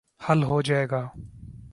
حل ہو جائے گا۔